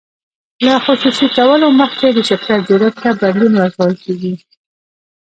له خصوصي کولو مخکې د شرکت جوړښت ته بدلون ورکول کیږي.